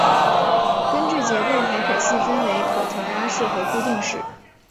根据结构还可细分为可调压式和固定式。